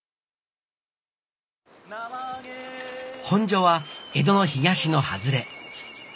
本所は江戸の東の外れ。